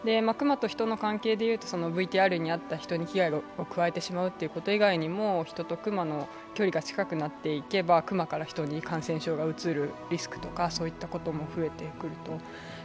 クマと人の関係で言うと、ＶＴＲにあった、人に危害を加えてしまうということ以外にも人とクマの距離が近くなっていけば、クマから人に感染症がうつるリスクとかそういったことも増えてくると。